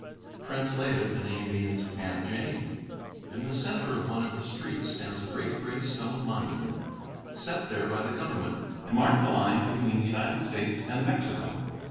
Translated, the name means "Aunt Jane." In the center of one of the streets stands a great gray stone monument, set there by the government to mark the line between the United States and Mexico.